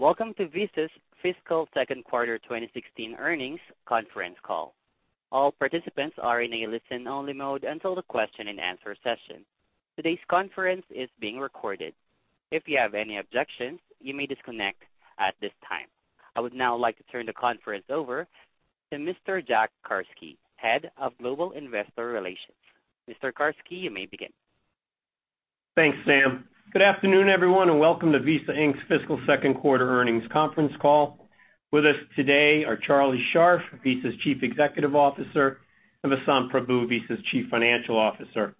Welcome to Visa's fiscal second quarter 2016 earnings conference call. All participants are in a listen-only mode until the question and answer session. Today's conference is being recorded. If you have any objections, you may disconnect at this time. I would now like to turn the conference over to Mr. Jack Carsky, head of global investor relations. Mr. Carsky, you may begin. Thanks, Sam. Good afternoon, everyone, and welcome to Visa Inc.'s fiscal second quarter earnings conference call. With us today are Charlie Scharf, Visa's Chief Executive Officer, and Vasant Prabhu, Visa's Chief Financial Officer.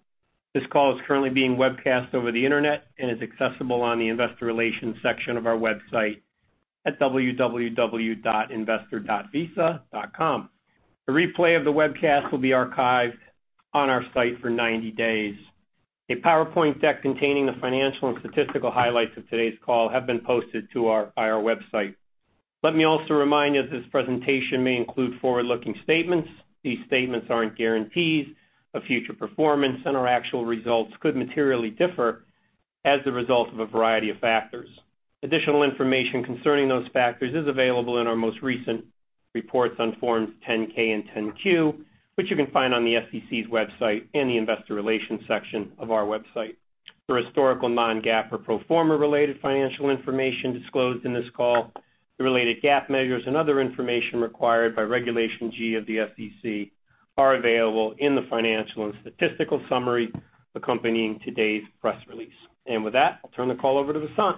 This call is currently being webcast over the Internet and is accessible on the investor relations section of our website at www.investor.visa.com. The replay of the webcast will be archived on our site for 90 days. A PowerPoint deck containing the financial and statistical highlights of today's call have been posted to our IR website. Let me also remind you that this presentation may include forward-looking statements. These statements aren't guarantees of future performance. Our actual results could materially differ as a result of a variety of factors. Additional information concerning those factors is available in our most recent reports on forms 10-K and 10-Q, which you can find on the SEC's website in the investor relations section of our website. The historical non-GAAP or pro forma related financial information disclosed in this call, the related GAAP measures and other information required by Regulation G of the SEC are available in the financial and statistical summary accompanying today's press release. With that, I'll turn the call over to Vasant.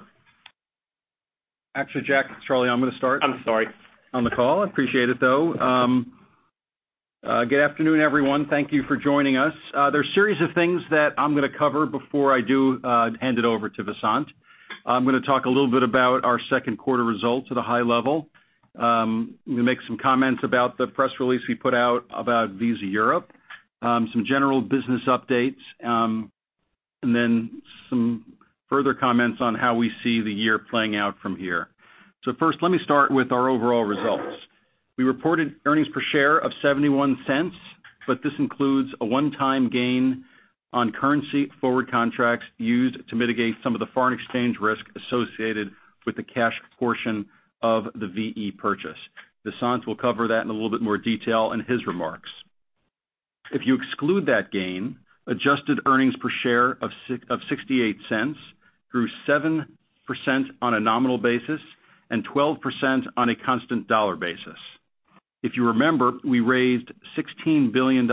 Actually, Jack, it's Charlie. I'm going to start. I'm sorry on the call. Appreciate it, though. Good afternoon, everyone. Thank you for joining us. There is a series of things that I am going to cover before I do hand it over to Vasant. I am going to talk a little bit about our second quarter results at a high level. I am going to make some comments about the press release we put out about Visa Europe, some general business updates, and then some further comments on how we see the year playing out from here. First, let me start with our overall results. We reported earnings per share of $0.71, but this includes a one-time gain on currency forward contracts used to mitigate some of the foreign exchange risk associated with the cash portion of the VE purchase. Vasant will cover that in a little bit more detail in his remarks. If you exclude that gain, adjusted earnings per share of $0.68 grew 7% on a nominal basis and 12% on a constant dollar basis. If you remember, we raised $16 billion in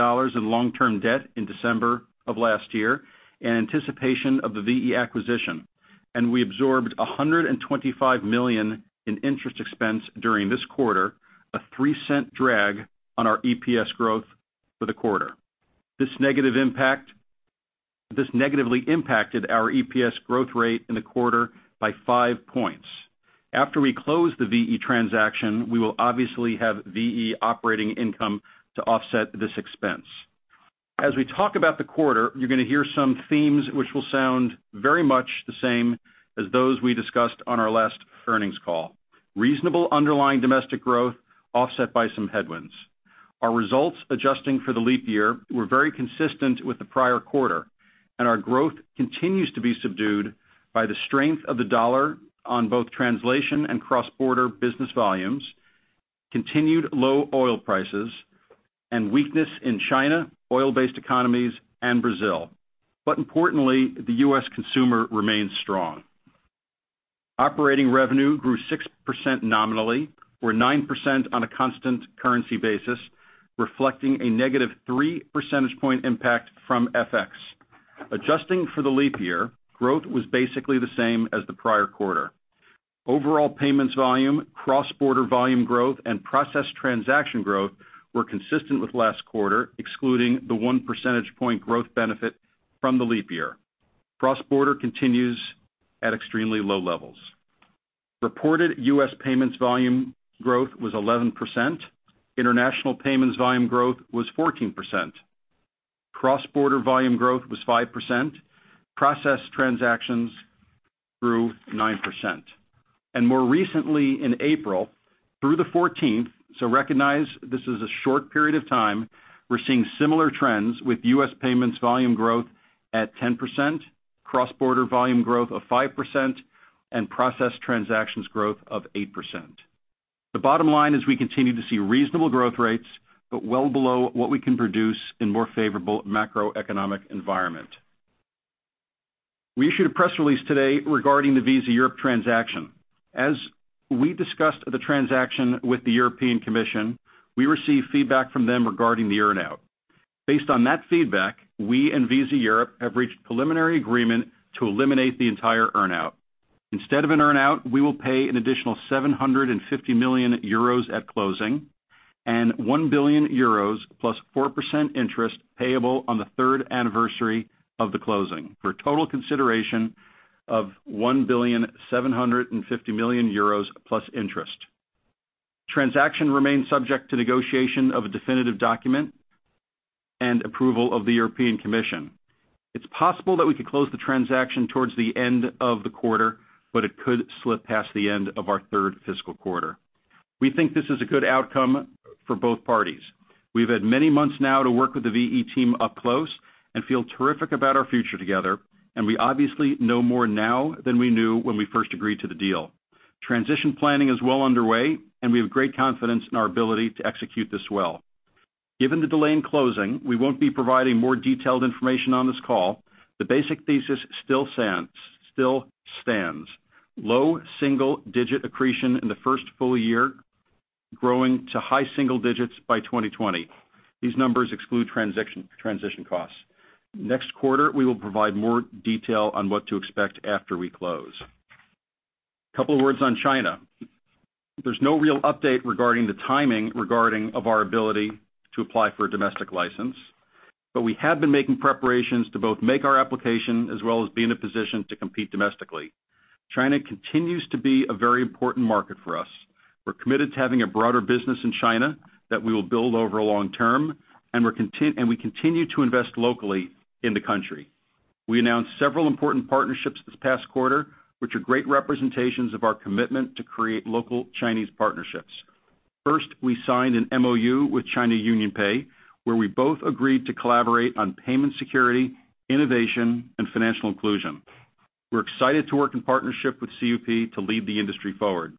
long-term debt in December of last year in anticipation of the VE acquisition, and we absorbed $125 million in interest expense during this quarter, a $0.03 drag on our EPS growth for the quarter. This negatively impacted our EPS growth rate in the quarter by five points. After we close the VE transaction, we will obviously have VE operating income to offset this expense. As we talk about the quarter, you are going to hear some themes which will sound very much the same as those we discussed on our last earnings call. Reasonable underlying domestic growth offset by some headwinds. Our results adjusting for the leap year were very consistent with the prior quarter. Our growth continues to be subdued by the strength of the dollar on both translation and cross-border business volumes, continued low oil prices, and weakness in China, oil-based economies, and Brazil. Importantly, the U.S. consumer remains strong. Operating revenue grew 6% nominally or 9% on a constant currency basis, reflecting a negative three percentage point impact from FX. Adjusting for the leap year, growth was basically the same as the prior quarter. Overall payments volume, cross-border volume growth, and process transaction growth were consistent with last quarter, excluding the one percentage point growth benefit from the leap year. Cross-border continues at extremely low levels. Reported U.S. payments volume growth was 11%. International payments volume growth was 14%. Cross-border volume growth was 5%. Processed transactions grew 9%. More recently in April through the 14th, so recognize this is a short period of time, we're seeing similar trends with U.S. payments volume growth at 10%, cross-border volume growth of 5%, and processed transactions growth of 8%. The bottom line is we continue to see reasonable growth rates, but well below what we can produce in a more favorable macroeconomic environment. We issued a press release today regarding the Visa Europe transaction. As we discussed the transaction with the European Commission, we received feedback from them regarding the earn-out. Based on that feedback, we and Visa Europe have reached a preliminary agreement to eliminate the entire earn-out. Instead of an earn-out, we will pay an additional 750 million euros at closing and 1 billion euros plus 4% interest payable on the third anniversary of the closing, for a total consideration of 1,750,000,000 euros plus interest. Transaction remains subject to negotiation of a definitive document and approval of the European Commission. It's possible that we could close the transaction towards the end of the quarter, but it could slip past the end of our third fiscal quarter. We think this is a good outcome for both parties. We've had many months now to work with the VE team up close and feel terrific about our future together, and we obviously know more now than we knew when we first agreed to the deal. Transition planning is well underway, and we have great confidence in our ability to execute this well. Given the delay in closing, we won't be providing more detailed information on this call. The basic thesis still stands. Low single-digit accretion in the first full year, growing to high single digits by 2020. These numbers exclude transition costs. Next quarter, we will provide more detail on what to expect after we close. Couple words on China. There's no real update regarding the timing regarding of our ability to apply for a domestic license. But we have been making preparations to both make our application as well as be in a position to compete domestically. China continues to be a very important market for us. We're committed to having a broader business in China that we will build over a long term, and we continue to invest locally in the country. We announced several important partnerships this past quarter, which are great representations of our commitment to create local Chinese partnerships. First, we signed an MOU with China UnionPay, where we both agreed to collaborate on payment security, innovation, and financial inclusion. We're excited to work in partnership with CUP to lead the industry forward.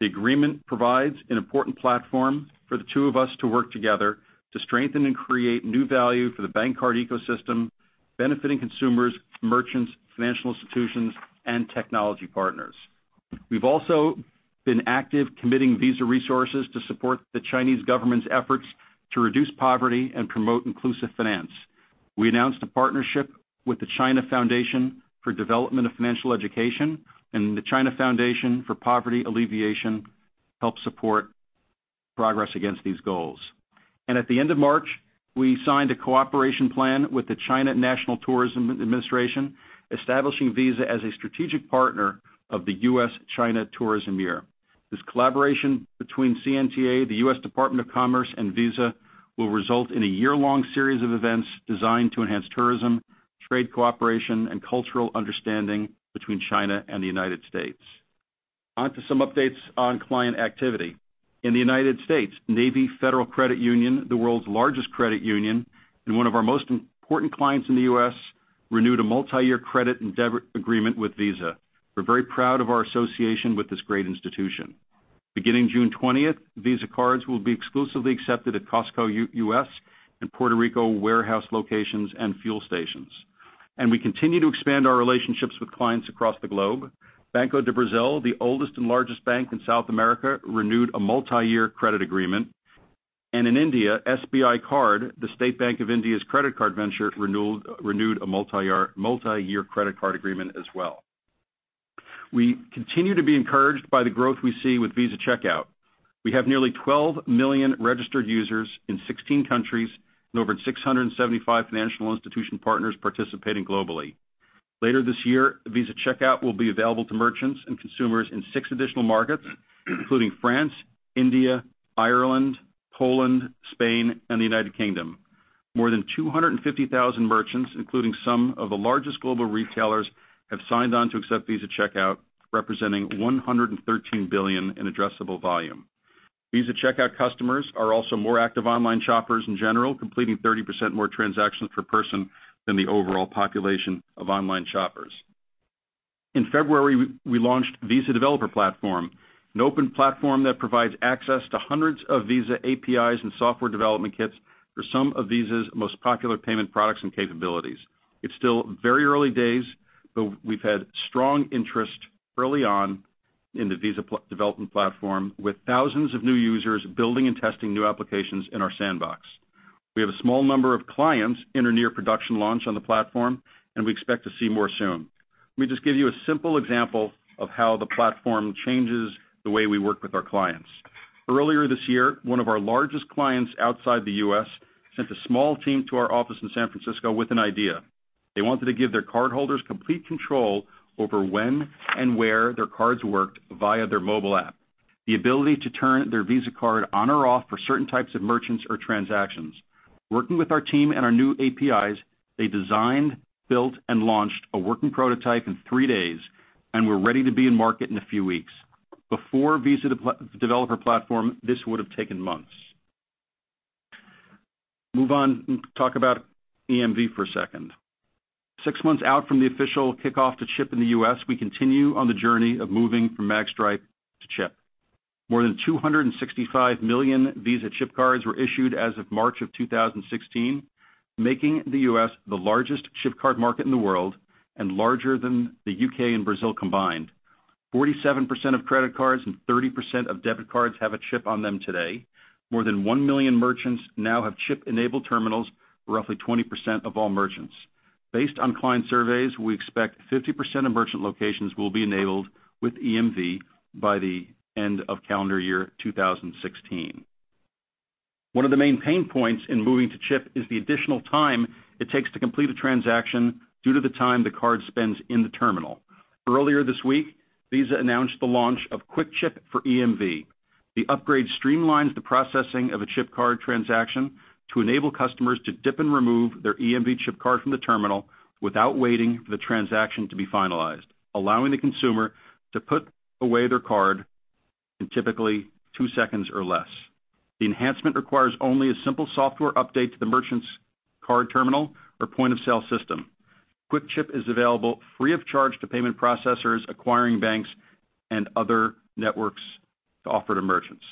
The agreement provides an important platform for the two of us to work together to strengthen and create new value for the bank card ecosystem, benefiting consumers, merchants, financial institutions, and technology partners. We've also been active committing Visa resources to support the Chinese government's efforts to reduce poverty and promote inclusive finance. We announced a partnership with the China Foundation for Development of Financial Education and the China Foundation for Poverty Alleviation, help support progress against these goals. At the end of March, we signed a cooperation plan with the China National Tourism Administration, establishing Visa as a strategic partner of the U.S.-China Tourism Year. This collaboration between CNTA, the U.S. Department of Commerce, and Visa will result in a year-long series of events designed to enhance tourism, trade cooperation, and cultural understanding between China and the United States. To some updates on client activity. In the U.S., Navy Federal Credit Union, the world's largest credit union and one of our most important clients in the U.S., renewed a multi-year credit and debit agreement with Visa. We're very proud of our association with this great institution. Beginning June 20th, Visa cards will be exclusively accepted at Costco U.S. and Puerto Rico warehouse locations and fuel stations. We continue to expand our relationships with clients across the globe. Banco do Brasil, the oldest and largest bank in South America, renewed a multi-year credit agreement. In India, SBI Card, the State Bank of India's credit card venture, renewed a multi-year credit card agreement as well. We continue to be encouraged by the growth we see with Visa Checkout. We have nearly 12 million registered users in 16 countries and over 675 financial institution partners participating globally. Later this year, Visa Checkout will be available to merchants and consumers in six additional markets, including France, India, Ireland, Poland, Spain, and the U.K. More than 250,000 merchants, including some of the largest global retailers, have signed on to accept Visa Checkout, representing $113 billion in addressable volume. Visa Checkout customers are also more active online shoppers in general, completing 30% more transactions per person than the overall population of online shoppers. In February, we launched Visa Developer Platform, an open platform that provides access to hundreds of Visa APIs and software development kits for some of Visa's most popular payment products and capabilities. It's still very early days, but we've had strong interest early on in the Visa Developer Platform, with thousands of new users building and testing new applications in our sandbox. We have a small number of clients in a near production launch on the platform, and we expect to see more soon. Let me just give you a simple example of how the platform changes the way we work with our clients. Earlier this year, one of our largest clients outside the U.S. sent a small team to our office in San Francisco with an idea. They wanted to give their cardholders complete control over when and where their cards worked via their mobile app. The ability to turn their Visa card on or off for certain types of merchants or transactions. Working with our team and our new APIs, they designed, built, and launched a working prototype in three days and were ready to be in market in a few weeks. Before Visa Developer Platform, this would have taken months. Move on and talk about EMV for a second. Six months out from the official kickoff to chip in the U.S., we continue on the journey of moving from magstripe to chip. More than 265 million Visa chip cards were issued as of March of 2016, making the U.S. the largest chip card market in the world and larger than the U.K. and Brazil combined. 47% of credit cards and 30% of debit cards have a chip on them today. More than one million merchants now have chip-enabled terminals, roughly 20% of all merchants. Based on client surveys, we expect 50% of merchant locations will be enabled with EMV by the end of calendar year 2016. One of the main pain points in moving to chip is the additional time it takes to complete a transaction due to the time the card spends in the terminal. Earlier this week, Visa announced the launch of Quick Chip for EMV. The upgrade streamlines the processing of a chip card transaction to enable customers to dip and remove their EMV chip card from the terminal without waiting for the transaction to be finalized, allowing the consumer to put away their card in typically two seconds or less. The enhancement requires only a simple software update to the merchant's card terminal or point-of-sale system. Quick Chip is available free of charge to payment processors, acquiring banks, and other networks to offer to merchants.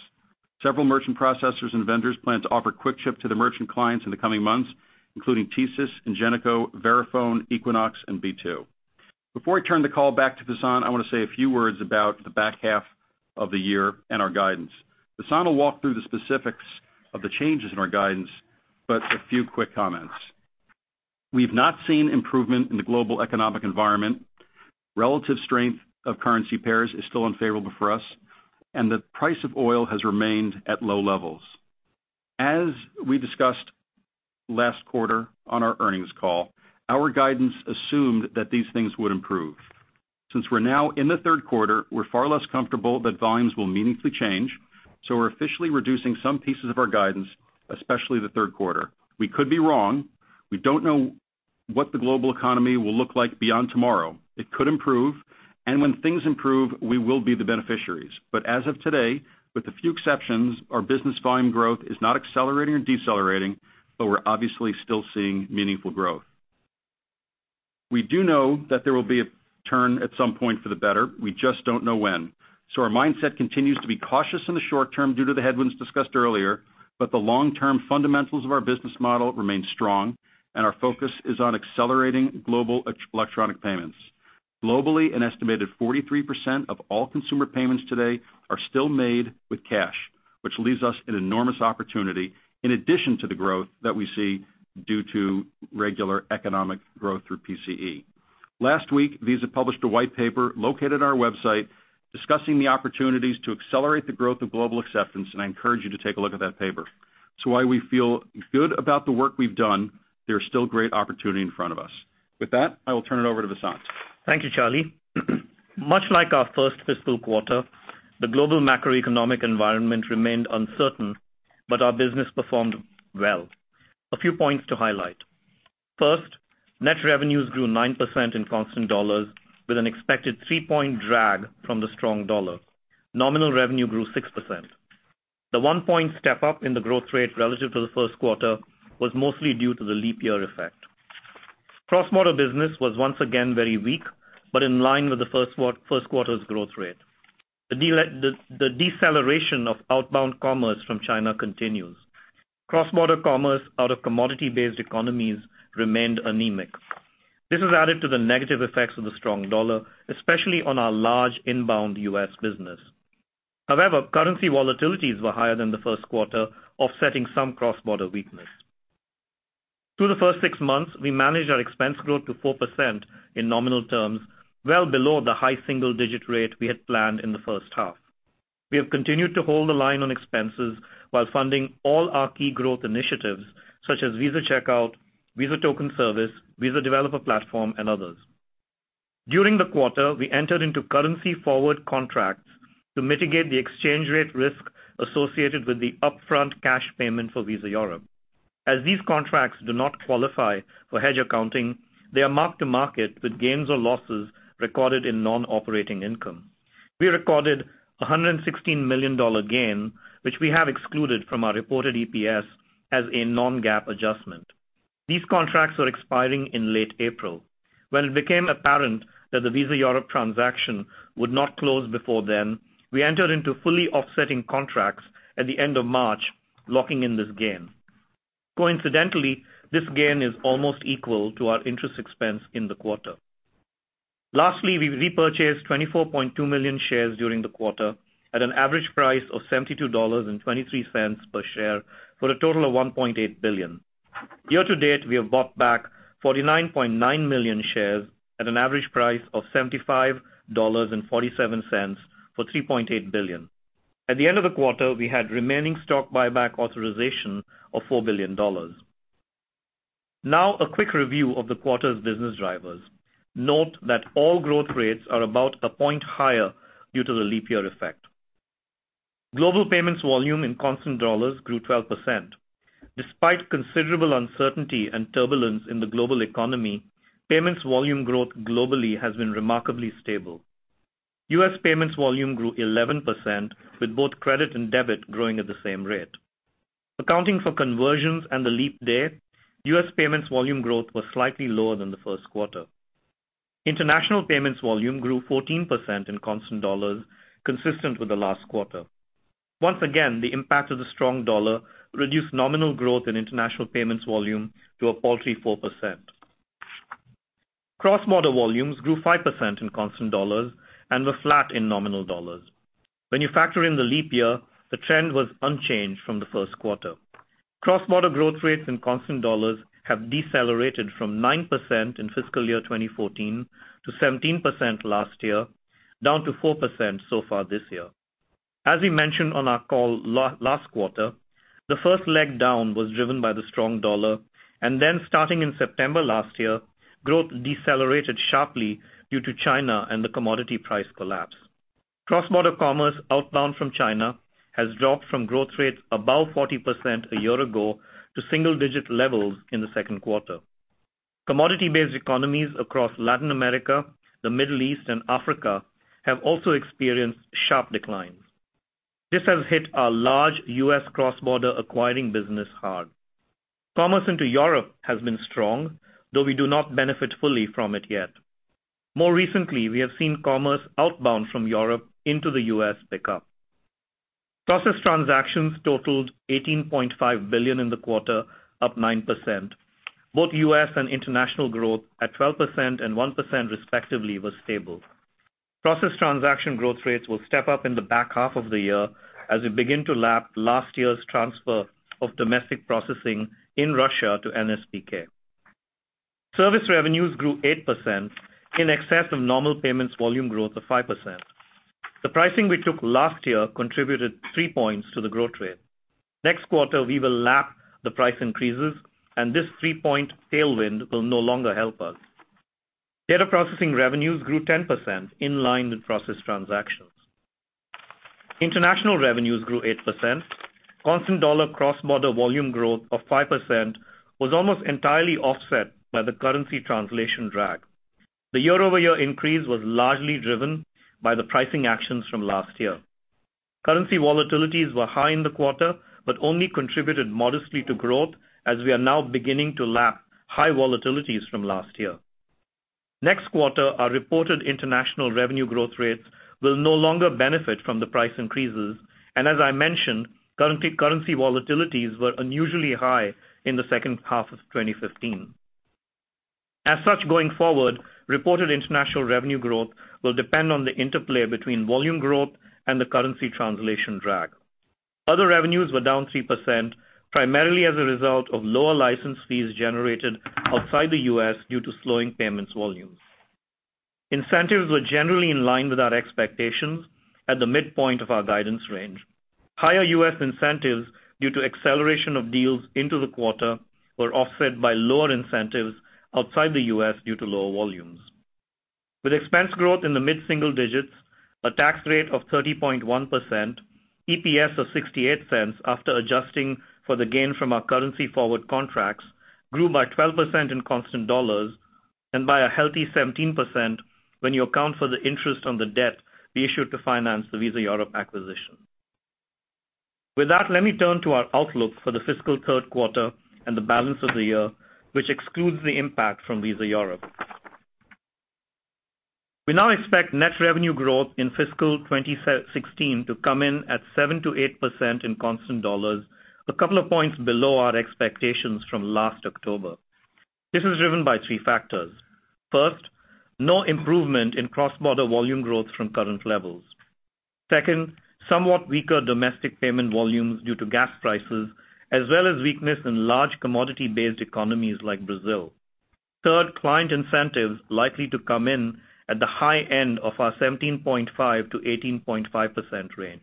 Several merchant processors and vendors plan to offer Quick Chip to their merchant clients in the coming months, including TSYS, Ingenico, Verifone, Equinox, and B2. Before I turn the call back to Vasant, I want to say a few words about the back half of the year and our guidance. Vasant will walk through the specifics of the changes in our guidance, but a few quick comments. We've not seen improvement in the global economic environment. Relative strength of currency pairs is still unfavorable for us, and the price of oil has remained at low levels. As we discussed last quarter on our earnings call, our guidance assumed that these things would improve. Since we're now in the third quarter, we're far less comfortable that volumes will meaningfully change, we're officially reducing some pieces of our guidance, especially the third quarter. We could be wrong. We don't know what the global economy will look like beyond tomorrow. It could improve, and when things improve, we will be the beneficiaries. As of today, with a few exceptions, our business volume growth is not accelerating or decelerating, but we're obviously still seeing meaningful growth. We do know that there will be a turn at some point for the better. We just don't know when. Our mindset continues to be cautious in the short term due to the headwinds discussed earlier, but the long-term fundamentals of our business model remain strong, and our focus is on accelerating global electronic payments. Globally, an estimated 43% of all consumer payments today are still made with cash, which leaves us an enormous opportunity in addition to the growth that we see due to regular economic growth through PCE. Last week, Visa published a white paper located on our website discussing the opportunities to accelerate the growth of global acceptance, I encourage you to take a look at that paper. While we feel good about the work we've done, there is still great opportunity in front of us. With that, I will turn it over to Vasant. Thank you, Charlie. Much like our first fiscal quarter, the global macroeconomic environment remained uncertain, but our business performed well. A few points to highlight. First, net revenues grew 9% in constant dollars with an expected three-point drag from the strong dollar. Nominal revenue grew 6%. The one-point step-up in the growth rate relative to the first quarter was mostly due to the leap year effect. Cross-border business was once again very weak, but in line with the first quarter's growth rate. The deceleration of outbound commerce from China continues. Cross-border commerce out of commodity-based economies remained anemic. This has added to the negative effects of the strong dollar, especially on our large inbound U.S. business. However, currency volatilities were higher than the first quarter, offsetting some cross-border weakness. Through the first 6 months, we managed our expense growth to 4% in nominal terms, well below the high single-digit rate we had planned in the first half. We have continued to hold the line on expenses while funding all our key growth initiatives, such as Visa Checkout, Visa Token Service, Visa Developer Platform, and others. During the quarter, we entered into currency forward contracts to mitigate the exchange rate risk associated with the upfront cash payment for Visa Europe. As these contracts do not qualify for hedge accounting, they are marked to market with gains or losses recorded in non-operating income. We recorded $116 million gain, which we have excluded from our reported EPS as a non-GAAP adjustment. These contracts were expiring in late April. When it became apparent that the Visa Europe transaction would not close before then, we entered into fully offsetting contracts at the end of March, locking in this gain. Coincidentally, this gain is almost equal to our interest expense in the quarter. Lastly, we repurchased 24.2 million shares during the quarter at an average price of $72.23 per share for a total of $1.8 billion. Year to date, we have bought back 49.9 million shares at an average price of $75.47 for $3.8 billion. At the end of the quarter, we had remaining stock buyback authorization of $4 billion. Now, a quick review of the quarter's business drivers. Note that all growth rates are about a point higher due to the leap year effect. Global payments volume in constant dollars grew 12%. Despite considerable uncertainty and turbulence in the global economy, payments volume growth globally has been remarkably stable. U.S. payments volume grew 11%, with both credit and debit growing at the same rate. Accounting for conversions and the leap day, U.S. payments volume growth was slightly lower than the first quarter. International payments volume grew 14% in constant dollars, consistent with the last quarter. Once again, the impact of the strong dollar reduced nominal growth in international payments volume to a paltry 4%. Cross-border volumes grew 5% in constant dollars and were flat in nominal dollars. When you factor in the leap year, the trend was unchanged from the first quarter. Cross-border growth rates in constant dollars have decelerated from 9% in fiscal year 2014 to 17% last year, down to 4% so far this year. As we mentioned on our call last quarter, the first leg down was driven by the strong dollar. Then starting in September last year, growth decelerated sharply due to China and the commodity price collapse. Cross-border commerce outbound from China has dropped from growth rates above 40% a year ago to single-digit levels in the second quarter. Commodity-based economies across Latin America, the Middle East, and Africa have also experienced sharp declines. This has hit our large U.S. cross-border acquiring business hard. Commerce into Europe has been strong, though we do not benefit fully from it yet. More recently, we have seen commerce outbound from Europe into the U.S. pick up. Processed transactions totaled 18.5 billion in the quarter, up 9%. Both U.S. and international growth at 12% and 1% respectively was stable. Processed transaction growth rates will step up in the back half of the year as we begin to lap last year's transfer of domestic processing in Russia to NSPK. Service revenues grew 8% in excess of normal payments volume growth of 5%. The pricing we took last year contributed three points to the growth rate. Next quarter, we will lap the price increases and this three-point tailwind will no longer help us. Data processing revenues grew 10% in line with processed transactions. International revenues grew 8%. Constant dollar cross-border volume growth of 5% was almost entirely offset by the currency translation drag. The year-over-year increase was largely driven by the pricing actions from last year. Currency volatilities were high in the quarter, but only contributed modestly to growth as we are now beginning to lap high volatilities from last year. Next quarter, our reported international revenue growth rates will no longer benefit from the price increases, and as I mentioned, currency volatilities were unusually high in the second half of 2015. As such, going forward, reported international revenue growth will depend on the interplay between volume growth and the currency translation drag. Other revenues were down 3%, primarily as a result of lower license fees generated outside the U.S. due to slowing payments volumes. Incentives were generally in line with our expectations at the midpoint of our guidance range. Higher U.S. incentives due to acceleration of deals into the quarter were offset by lower incentives outside the U.S. due to lower volumes. With expense growth in the mid-single digits, a tax rate of 30.1%, EPS of $0.68 after adjusting for the gain from our currency forward contracts grew by 12% in constant dollars and by a healthy 17% when you account for the interest on the debt we issued to finance the Visa Europe acquisition. With that, let me turn to our outlook for the fiscal third quarter and the balance of the year, which excludes the impact from Visa Europe. We now expect net revenue growth in fiscal 2016 to come in at 7%-8% in constant dollars, a couple of points below our expectations from last October. This is driven by three factors. First, no improvement in cross-border volume growth from current levels. Second, somewhat weaker domestic payment volumes due to gas prices, as well as weakness in large commodity-based economies like Brazil. Third, client incentives likely to come in at the high end of our 17.5%-18.5% range.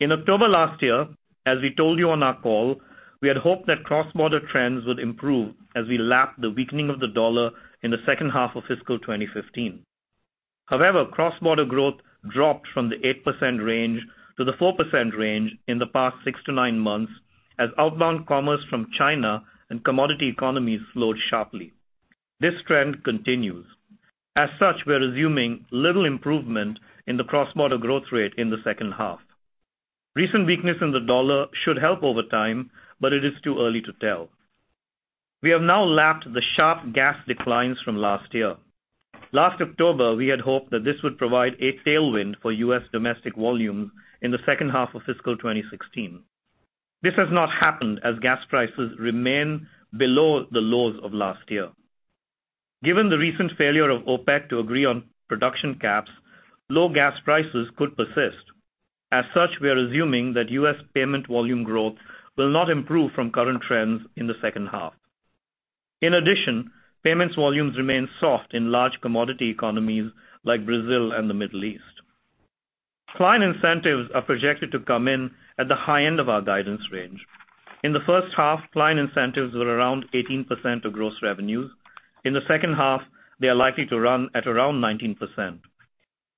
In October last year, as we told you on our call, we had hoped that cross-border trends would improve as we lap the weakening of the dollar in the second half of fiscal 2015. However, cross-border growth dropped from the 8% range to the 4% range in the past six to nine months as outbound commerce from China and commodity economies slowed sharply. This trend continues. As such, we're assuming little improvement in the cross-border growth rate in the second half. Recent weakness in the dollar should help over time, but it is too early to tell. We have now lapped the sharp gas declines from last year. Last October, we had hoped that this would provide a tailwind for U.S. domestic volumes in the second half of fiscal 2016. This has not happened as gas prices remain below the lows of last year. Given the recent failure of OPEC to agree on production caps, low gas prices could persist. As such, we are assuming that U.S. payment volume growth will not improve from current trends in the second half. In addition, payments volumes remain soft in large commodity economies like Brazil and the Middle East. Client incentives are projected to come in at the high end of our guidance range. In the first half, client incentives were around 18% of gross revenues. In the second half, they are likely to run at around 19%.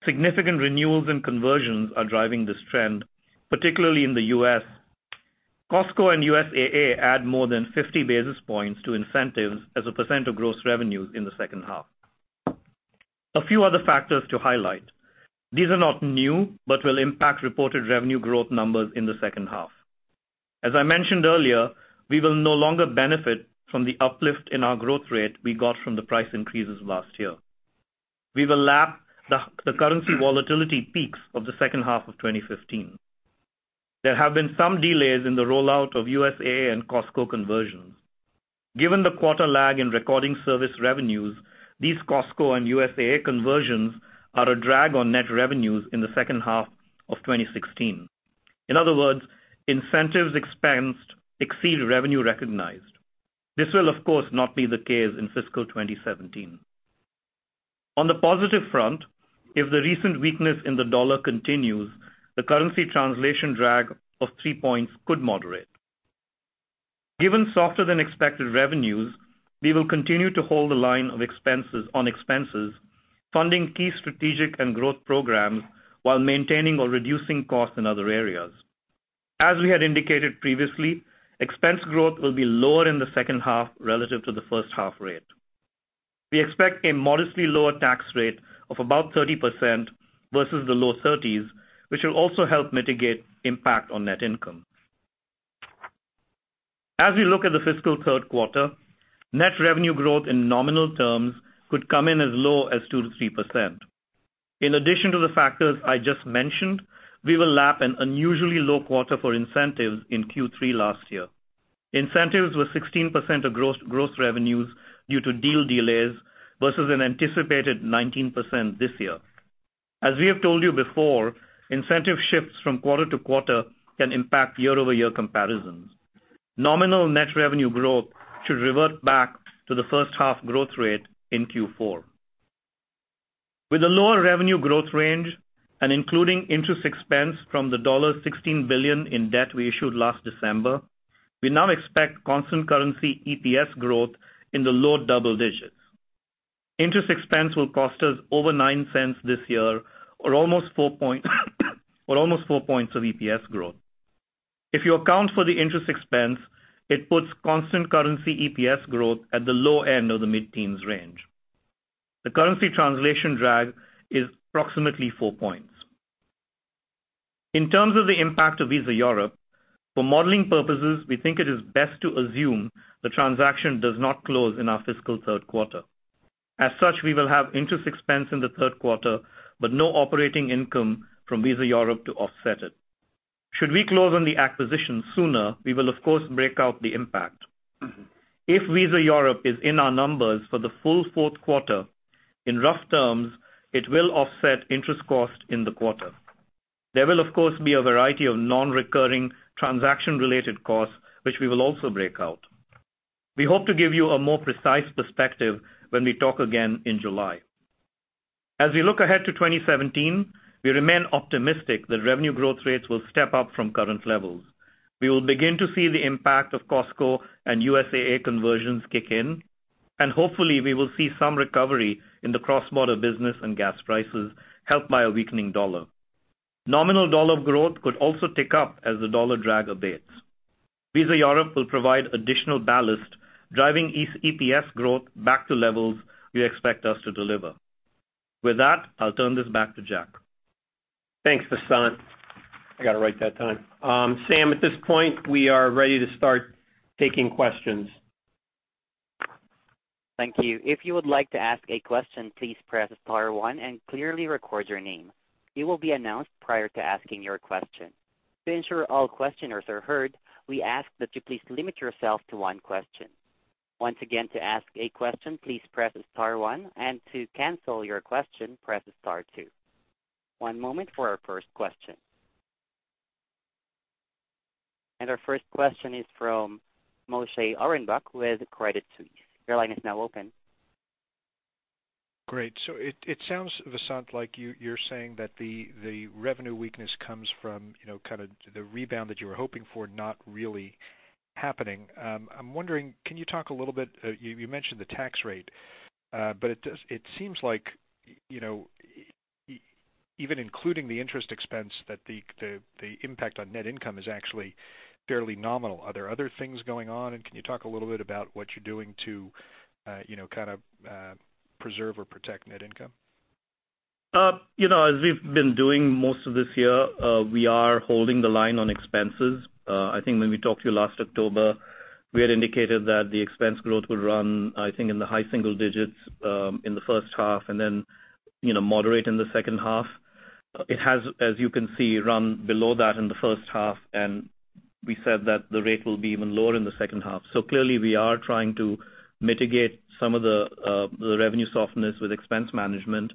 Significant renewals and conversions are driving this trend, particularly in the U.S. Costco and USAA add more than 50 basis points to incentives as a percent of gross revenues in the second half. A few other factors to highlight. These are not new, will impact reported revenue growth numbers in the second half. As I mentioned earlier, we will no longer benefit from the uplift in our growth rate we got from the price increases last year. We will lap the currency volatility peaks of the second half of 2015. There have been some delays in the rollout of USAA and Costco conversions. Given the quarter lag in recording service revenues, these Costco and USAA conversions are a drag on net revenues in the second half of 2016. In other words, incentives expensed exceed revenue recognized. This will, of course, not be the case in fiscal 2017. On the positive front, if the recent weakness in the dollar continues, the currency translation drag of three points could moderate. Given softer than expected revenues, we will continue to hold the line on expenses, funding key strategic and growth programs while maintaining or reducing costs in other areas. As we had indicated previously, expense growth will be lower in the second half relative to the first half rate. We expect a modestly lower tax rate of about 30% versus the low 30s, which will also help mitigate impact on net income. As we look at the fiscal third quarter, net revenue growth in nominal terms could come in as low as 2%-3%. In addition to the factors I just mentioned, we will lap an unusually low quarter for incentives in Q3 last year. Incentives were 16% of gross revenues due to deal delays versus an anticipated 19% this year. As we have told you before, incentive shifts from quarter to quarter can impact year-over-year comparisons. Nominal net revenue growth should revert back to the first half growth rate in Q4. With a lower revenue growth range and including interest expense from the $16 billion in debt we issued last December, we now expect constant currency EPS growth in the low double digits. Interest expense will cost us over $0.09 this year or almost four points of EPS growth. If you account for the interest expense, it puts constant currency EPS growth at the low end of the mid-teens range. The currency translation drag is approximately four points. In terms of the impact of Visa Europe, for modeling purposes, we think it is best to assume the transaction does not close in our fiscal third quarter. As such, we will have interest expense in the third quarter, but no operating income from Visa Europe to offset it. Should we close on the acquisition sooner, we will of course, break out the impact. If Visa Europe is in our numbers for the full fourth quarter, in rough terms, it will offset interest cost in the quarter. There will, of course, be a variety of non-recurring transaction related costs, which we will also break out. We hope to give you a more precise perspective when we talk again in July. As we look ahead to 2017, we remain optimistic that revenue growth rates will step up from current levels. We will begin to see the impact of Costco and USAA conversions kick in, hopefully, we will see some recovery in the cross-border business and gas prices helped by a weakening dollar. Nominal dollar growth could also tick up as the dollar drag abates. Visa Europe will provide additional ballast, driving EPS growth back to levels we expect us to deliver. With that, I'll turn this back to Jack. Thanks, Vasant. I got it right that time. Sam, at this point, we are ready to start taking questions. Thank you. If you would like to ask a question, please press star one and clearly record your name. You will be announced prior to asking your question. To ensure all questioners are heard, we ask that you please limit yourself to one question. Once again, to ask a question, please press star one, to cancel your question, press star two. One moment for our first question. Our first question is from Moshe Orenbuch with Credit Suisse. Your line is now open. Great. It sounds, Vasant, like you're saying that the revenue weakness comes from kind of the rebound that you were hoping for not really happening. I'm wondering, can you talk a little bit, you mentioned the tax rate, but it seems like even including the interest expense, that the impact on net income is actually fairly nominal. Are there other things going on, and can you talk a little bit about what you're doing to kind of preserve or protect net income? As we've been doing most of this year, we are holding the line on expenses. I think when we talked to you last October, we had indicated that the expense growth would run, I think, in the high single digits in the first half and then moderate in the second half. It has, as you can see, run below that in the first half, and we said that the rate will be even lower in the second half. Clearly we are trying to mitigate some of the revenue softness with expense management.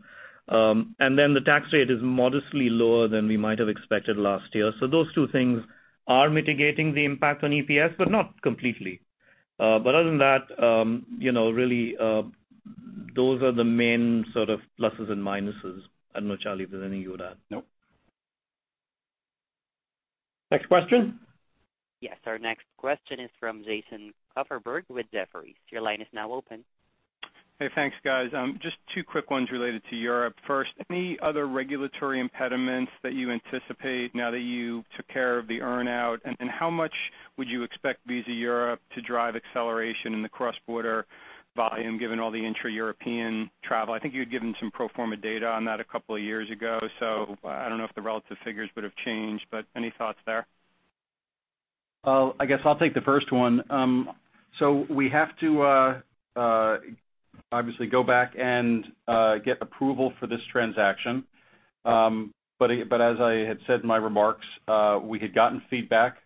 The tax rate is modestly lower than we might have expected last year. Those two things are mitigating the impact on EPS, but not completely. Other than that, really, those are the main sort of pluses and minuses. I don't know, Charlie, if there's any you would add. Nope. Next question. Yes. Our next question is from Jason Kupferberg with Jefferies. Your line is now open. Hey, thanks, guys. Just two quick ones related to Europe. First, any other regulatory impediments that you anticipate now that you took care of the earn-out, and how much would you expect Visa Europe to drive acceleration in the cross-border volume given all the intra-European travel? I think you had given some pro forma data on that a couple of years ago. I don't know if the relative figures would have changed, but any thoughts there? I guess I'll take the first one. We have to obviously go back and get approval for this transaction. As I had said in my remarks, we had gotten feedback.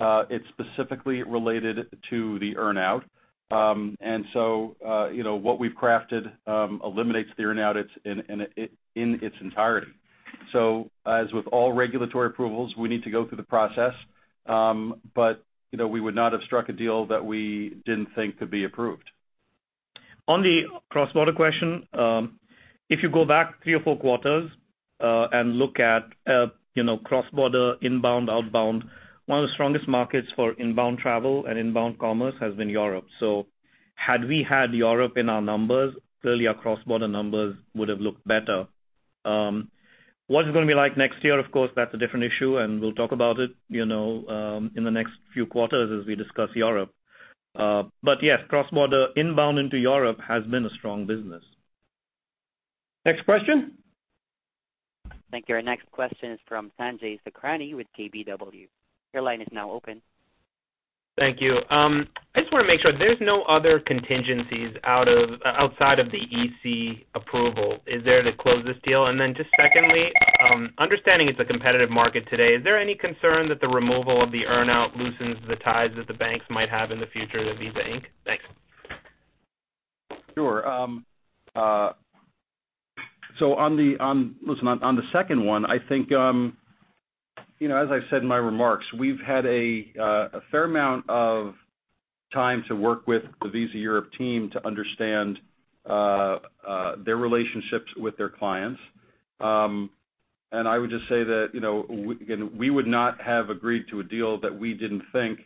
It's specifically related to the earn-out. What we've crafted eliminates the earn-out in its entirety. As with all regulatory approvals, we need to go through the process, but we would not have struck a deal that we didn't think could be approved. On the cross-border question, if you go back three or four quarters and look at cross-border inbound, outbound, one of the strongest markets for inbound travel and inbound commerce has been Europe. Had we had Europe in our numbers, clearly our cross-border numbers would have looked better. What it's going to be like next year, of course, that's a different issue, and we'll talk about it in the next few quarters as we discuss Europe. Yes, cross-border inbound into Europe has been a strong business. Next question. Thank you. Our next question is from Sanjay Sakhrani with KBW. Your line is now open. Thank you. I just want to make sure there's no other contingencies outside of the EC approval. Is there to close this deal? Then just secondly understanding it's a competitive market today, is there any concern that the removal of the earn-out loosens the ties that the banks might have in the future with Visa Inc? Thanks. Sure. Listen, on the second one, I think as I said in my remarks, we've had a fair amount of time to work with the Visa Europe team to understand their relationships with their clients. I would just say that, again, we would not have agreed to a deal that we didn't think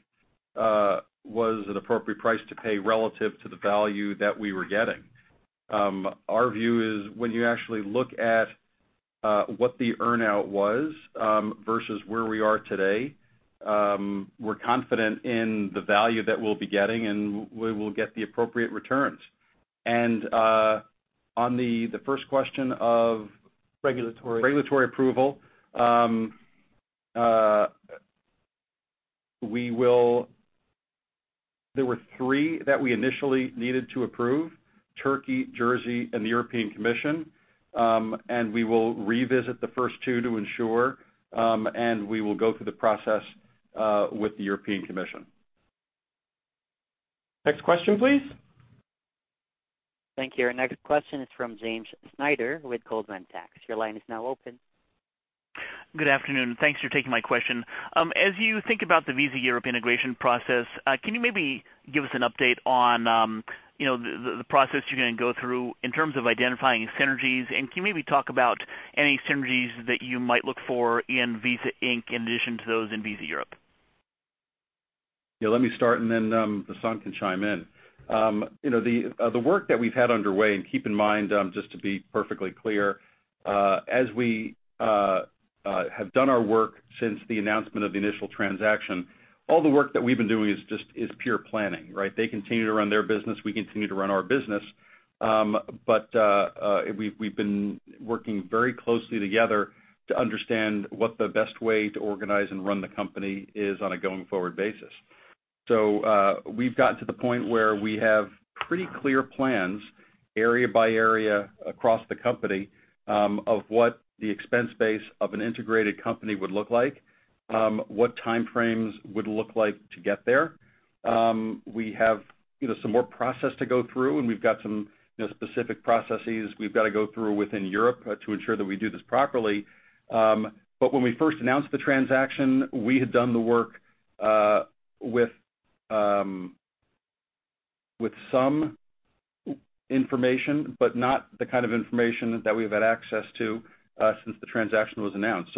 was an appropriate price to pay relative to the value that we were getting. Our view is when you actually look at what the earn-out was versus where we are today, we're confident in the value that we'll be getting, and we will get the appropriate returns. On the first question of- Regulatory On regulatory approval, there were three that we initially needed to approve, Turkey, Jersey, and the European Commission. We will revisit the first two to ensure, and we will go through the process with the European Commission. Next question, please. Thank you. Our next question is from James Schneider with Goldman Sachs. Your line is now open. Good afternoon. Thanks for taking my question. As you think about the Visa Europe integration process, can you maybe give us an update on the process you're going to go through in terms of identifying synergies, and can you maybe talk about any synergies that you might look for in Visa Inc. in addition to those in Visa Europe? Yeah, let me start and then Vasant can chime in. The work that we've had underway, and keep in mind, just to be perfectly clear, as we have done our work since the announcement of the initial transaction, all the work that we've been doing is pure planning, right? They continue to run their business. We continue to run our business. We've been working very closely together to understand what the best way to organize and run the company is on a going-forward basis. We've gotten to the point where we have pretty clear plans, area by area, across the company, of what the expense base of an integrated company would look like, what time frames would look like to get there. We have some more process to go through, and we've got some specific processes we've got to go through within Europe to ensure that we do this properly. When we first announced the transaction, we had done the work with some information, but not the kind of information that we've had access to since the transaction was announced.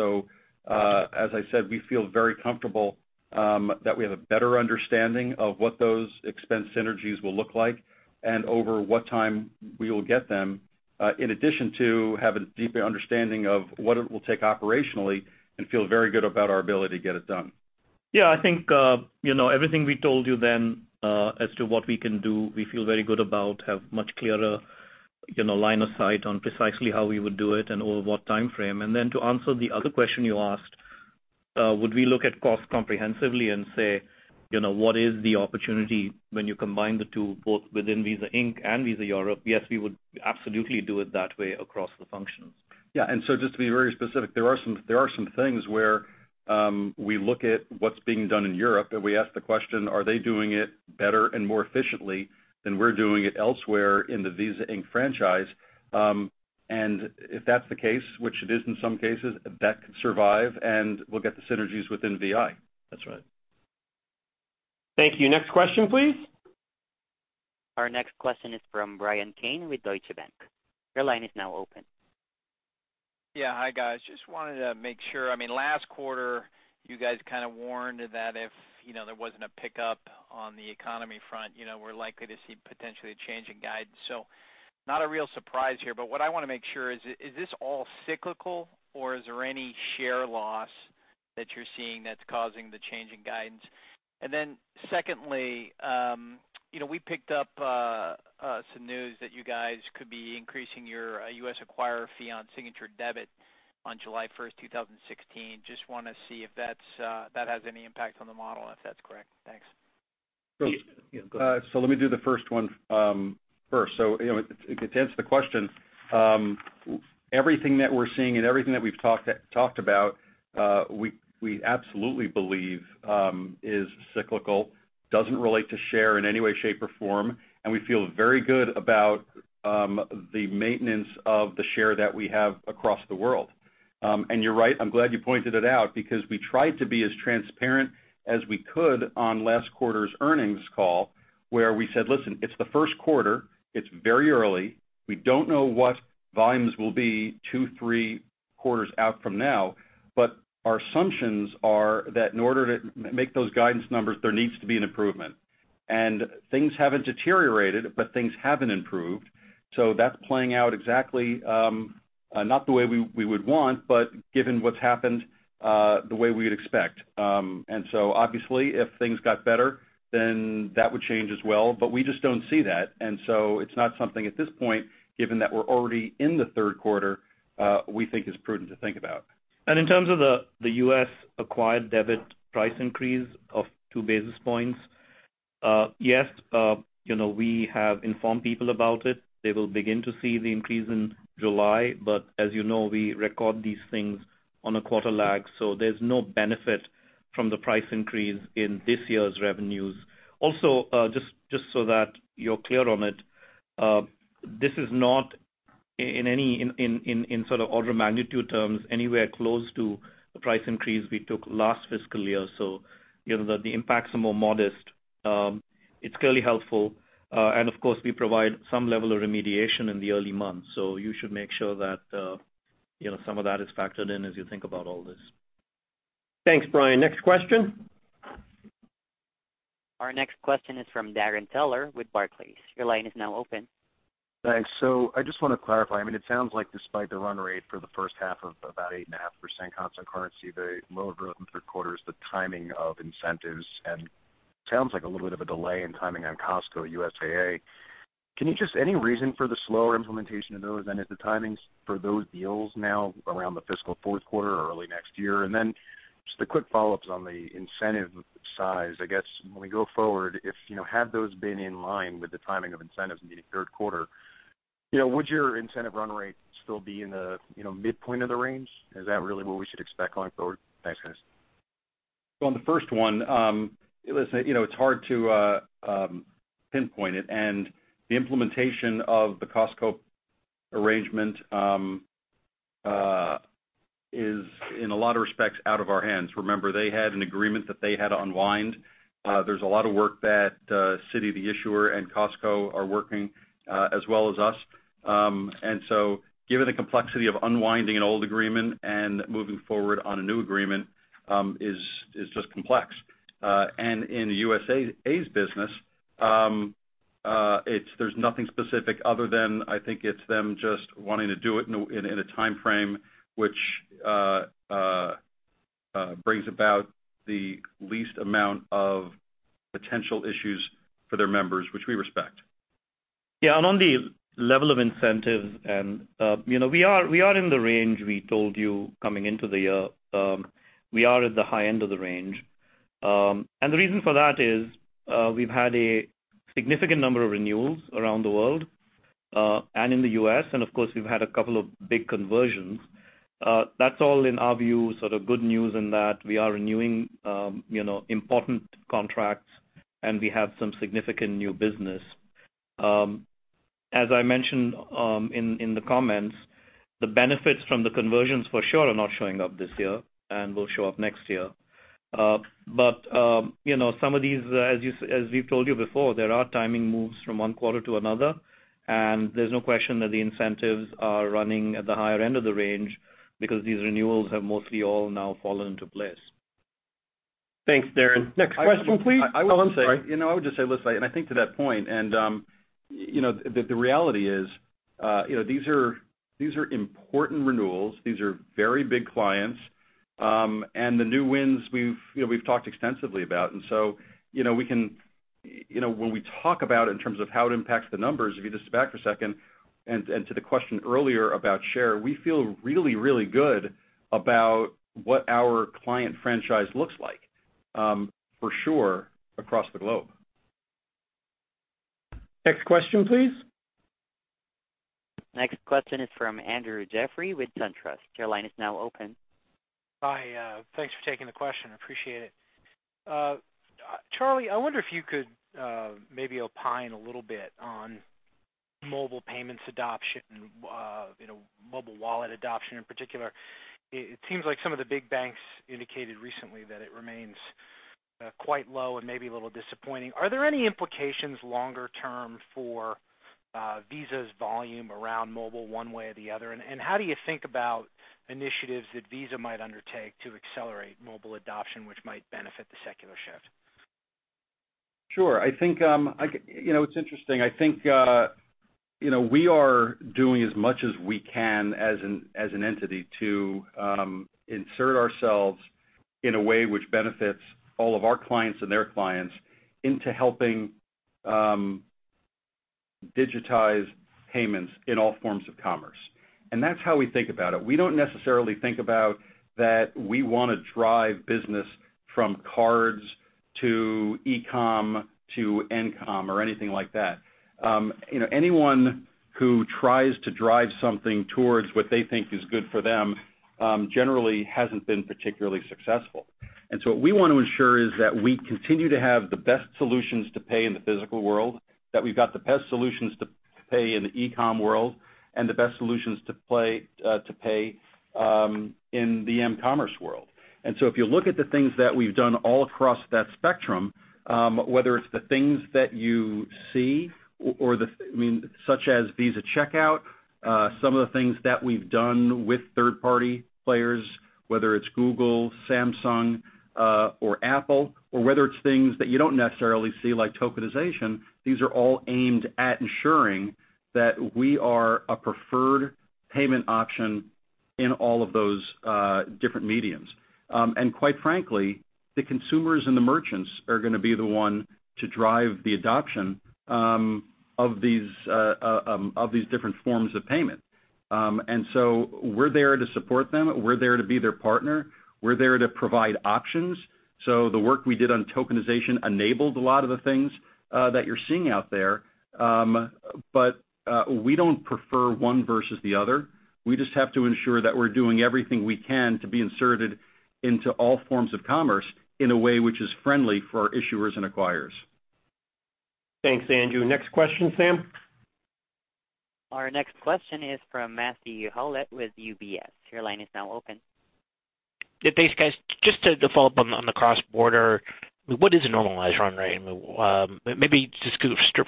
As I said, we feel very comfortable that we have a better understanding of what those expense synergies will look like and over what time we will get them, in addition to have a deeper understanding of what it will take operationally and feel very good about our ability to get it done. Yeah, I think everything we told you then as to what we can do, we feel very good about. Have much clearer line of sight on precisely how we would do it and over what time frame. To answer the other question you asked, would we look at cost comprehensively and say, what is the opportunity when you combine the two, both within Visa Inc. and Visa Europe? Yes, we would absolutely do it that way across the functions. Yeah. Just to be very specific, there are some things where we look at what's being done in Europe, and we ask the question, are they doing it better and more efficiently than we're doing it elsewhere in the Visa Inc. franchise? If that's the case, which it is in some cases, that can survive, and we'll get the synergies within VI. That's right. Thank you. Next question, please. Our next question is from Bryan Keane with Deutsche Bank. Your line is now open. Yeah. Hi, guys. Just wanted to make sure, last quarter, you guys kind of warned that if there wasn't a pickup on the economy front, we're likely to see potentially a change in guidance. Not a real surprise here, but what I want to make sure is this all cyclical, or is there any share loss that you're seeing that's causing the change in guidance? Secondly, we picked up some news that you guys could be increasing your U.S. acquirer fee on signature debit on July 1st, 2016. Just want to see if that has any impact on the model, if that's correct. Thanks. Please. Let me do the first one first. To answer the question, everything that we're seeing and everything that we've talked about, we absolutely believe is cyclical, doesn't relate to share in any way, shape, or form, and we feel very good about the maintenance of the share that we have across the world. You're right, I'm glad you pointed it out because we tried to be as transparent as we could on last quarter's earnings call where we said, "Listen, it's the first quarter. It's very early. We don't know what volumes will be two, three quarters out from now, but our assumptions are that in order to make those guidance numbers, there needs to be an improvement." Things haven't deteriorated, but things haven't improved. That's playing out exactly, not the way we would want, but given what's happened, the way we would expect. Obviously, if things got better, then that would change as well, but we just don't see that. It's not something at this point, given that we're already in the third quarter, we think is prudent to think about. In terms of the U.S. acquired debit price increase of two basis points, yes, we have informed people about it. They will begin to see the increase in July, but as you know, we record these things on a quarter lag, so there's no benefit from the price increase in this year's revenues. Just so that you're clear on it, this is not in sort of order of magnitude terms, anywhere close to the price increase we took last fiscal year. The impacts are more modest. It's clearly helpful. Of course, we provide some level of remediation in the early months. You should make sure that some of that is factored in as you think about all this. Thanks, Bryan. Next question? Our next question is from Darrin Peller with Barclays. Your line is now open. Thanks. I just want to clarify, it sounds like despite the run rate for the first half of about 8.5% constant currency, the lower growth in third quarter is the timing of incentives and sounds like a little bit of a delay in timing on Costco, USAA. Can you just any reason for the slower implementation of those, and is the timings for those deals now around the fiscal fourth quarter or early next year? Then just a quick follow-up on the incentive size. I guess when we go forward, have those been in line with the timing of incentives in the third quarter? Would your incentive run rate still be in the midpoint of the range? Is that really what we should expect going forward? Thanks, guys. listen, it's hard to pinpoint it and the implementation of the Costco arrangement is in a lot of respects out of our hands. Remember, they had an agreement that they had to unwind. There's a lot of work that Citi, the issuer, and Costco are working, as well as us. Given the complexity of unwinding an old agreement and moving forward on a new agreement is just complex. In the USAA's business, there's nothing specific other than I think it's them just wanting to do it in a timeframe which brings about the least amount of potential issues for their members, which we respect. On the level of incentive and we are in the range we told you coming into the year. We are at the high end of the range. The reason for that is, we've had a significant number of renewals around the world, and in the U.S., and of course, we've had a couple of big conversions. That's all in our view, sort of good news in that we are renewing important contracts, and we have some significant new business. As I mentioned in the comments, the benefits from the conversions for sure are not showing up this year and will show up next year. Some of these, as we've told you before, there are timing moves from one quarter to another, and there's no question that the incentives are running at the higher end of the range because these renewals have mostly all now fallen into place. Thanks, Darrin. Next question, please. I'm sorry. I would just say, listen, I think to that point, the reality is these are important renewals. These are very big clients. The new wins we've talked extensively about. So when we talk about in terms of how it impacts the numbers, if you just go back for a second and to the question earlier about share, we feel really, really good about what our client franchise looks like, for sure across the globe. Next question, please. Next question is from Andrew Jeffrey with SunTrust. Your line is now open. Hi. Thanks for taking the question. I appreciate it. Charlie, I wonder if you could maybe opine a little bit on mobile payments adoption, mobile wallet adoption in particular. It seems like some of the big banks indicated recently that it remains quite low and maybe a little disappointing. Are there any implications longer term for Visa's volume around mobile one way or the other? How do you think about initiatives that Visa might undertake to accelerate mobile adoption, which might benefit the secular shift? Sure. It's interesting. I think, we are doing as much as we can as an entity to insert ourselves in a way which benefits all of our clients and their clients into helping digitize payments in all forms of commerce. That's how we think about it. We don't necessarily think about that we want to drive business from cards to e-com to m-com or anything like that. Anyone who tries to drive something towards what they think is good for them, generally hasn't been particularly successful. What we want to ensure is that we continue to have the best solutions to pay in the physical world, that we've got the best solutions to pay in the e-com world, and the best solutions to pay in the m-commerce world. If you look at the things that we've done all across that spectrum, whether it's the things that you see or Such as Visa Checkout, some of the things that we've done with third-party players, whether it's Google, Samsung, or Apple, or whether it's things that you don't necessarily see like tokenization, these are all aimed at ensuring that we are a preferred payment option in all of those different mediums. Quite frankly, the consumers and the merchants are going to be the one to drive the adoption of these different forms of payment. We're there to support them. We're there to be their partner. We're there to provide options. The work we did on tokenization enabled a lot of the things that you're seeing out there. We don't prefer one versus the other. We just have to ensure that we're doing everything we can to be inserted into all forms of commerce in a way which is friendly for our issuers and acquirers. Thanks, Andrew. Next question, Sam. Our next question is from Matthew Houlette with UBS. Your line is now open. Yeah, thanks, guys. Just to follow up on the cross-border, what is a normalized run rate? Maybe just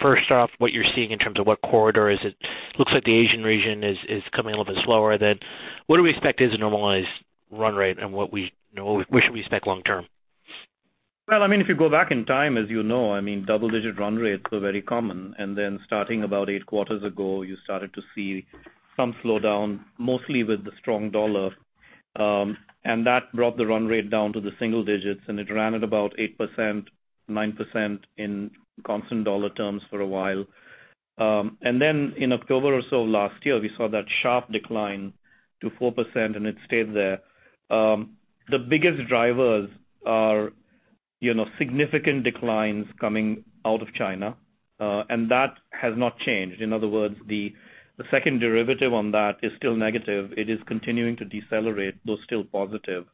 first off, what you're seeing in terms of what corridor is it. Looks like the Asian region is coming a little bit slower than. What do we expect is a normalized run rate and what should we expect long term? Well, if you go back in time, as you know, double-digit run rates were very common. Starting about eight quarters ago, you started to see some slowdown, mostly with the strong dollar. That brought the run rate down to the single digits, and it ran at about 8%, 9% in constant dollar terms for a while. In October or so last year, we saw that sharp decline to 4%, and it stayed there. The biggest drivers are significant declines coming out of China. That has not changed. In other words, the second derivative on that is still negative. It is continuing to decelerate, though still positive.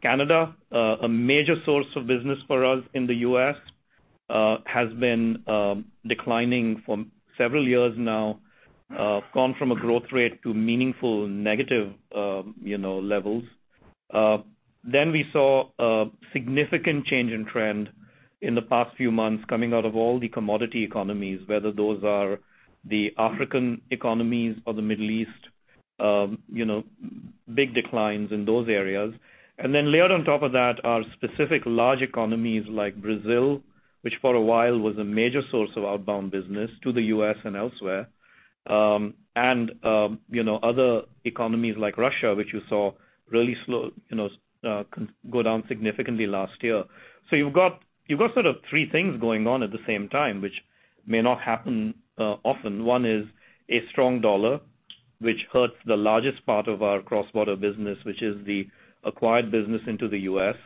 Canada, a major source of business for us in the U.S., has been declining for several years now, gone from a growth rate to meaningful negative levels. We saw a significant change in trend in the past few months coming out of all the commodity economies, whether those are the African economies or the Middle East, big declines in those areas. Layered on top of that are specific large economies like Brazil, which for a while was a major source of outbound business to the U.S. and elsewhere. Other economies like Russia, which you saw really slow, go down significantly last year. You've got sort of three things going on at the same time, which may not happen often. One is a strong dollar, which hurts the largest part of our cross-border business, which is the acquired business into the U.S.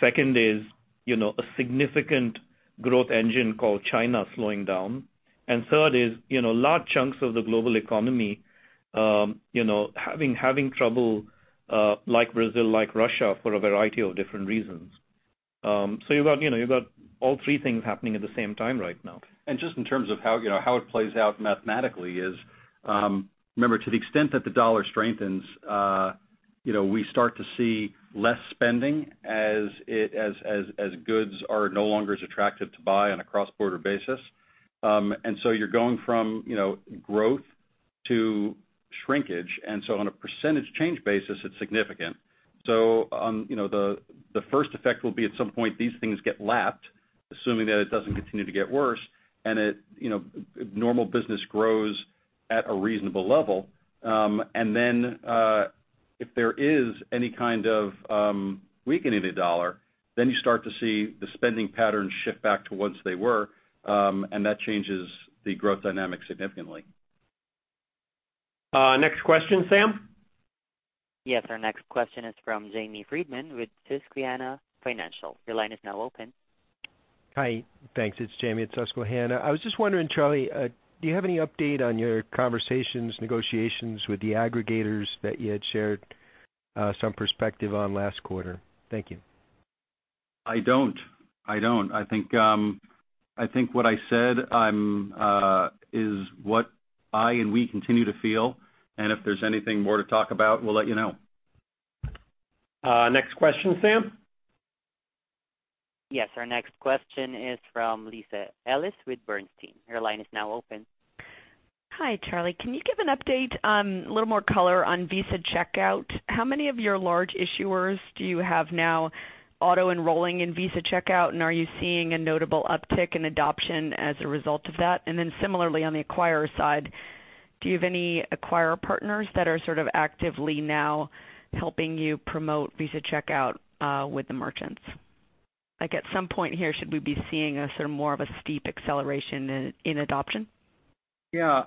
Second is a significant growth engine called China slowing down. Third is large chunks of the global economy having trouble, like Brazil, like Russia, for a variety of different reasons. You've got all three things happening at the same time right now. Just in terms of how it plays out mathematically is, remember, to the extent that the dollar strengthens, we start to see less spending as goods are no longer as attractive to buy on a cross-border basis. You're going from growth to shrinkage, and so on a percentage change basis, it's significant. The first effect will be at some point, these things get lapped, assuming that it doesn't continue to get worse and normal business grows at a reasonable level. If there is any kind of weakening of the dollar, then you start to see the spending patterns shift back to what they were, and that changes the growth dynamic significantly. Next question, Sam. Yes, our next question is from Jamie Friedman with Susquehanna Financial. Your line is now open. Hi. Thanks. It's Jamie at Susquehanna. I was just wondering, Charlie, do you have any update on your conversations, negotiations with the aggregators that you had shared some perspective on last quarter? Thank you. I don't. I think what I said is what I and we continue to feel, if there's anything more to talk about, we'll let you know. Next question, Sam. Our next question is from Lisa Ellis with Bernstein. Your line is now open. Hi, Charlie. Can you give an update, a little more color on Visa Checkout? How many of your large issuers do you have now auto-enrolling in Visa Checkout, and are you seeing a notable uptick in adoption as a result of that? Similarly, on the acquirer side, do you have any acquirer partners that are sort of actively now helping you promote Visa Checkout with the merchants? Like at some point here, should we be seeing a sort of more of a steep acceleration in adoption? Yeah.